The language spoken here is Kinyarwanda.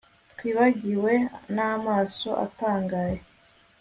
Twibagiwe namaso atangaye